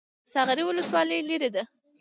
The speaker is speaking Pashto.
ساغر ولسوالۍ لیرې ده؟